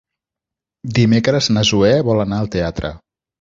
Dimecres na Zoè vol anar al teatre.